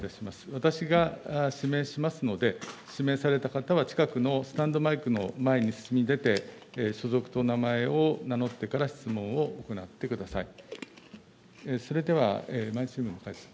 私が指名しますので指名された方は、近くのスタンドマイクの前にお進み出て所属とお名前を名乗ってから質問を行ってください。